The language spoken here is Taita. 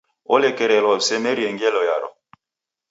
Olekerelwa usemerie ngelo yaro.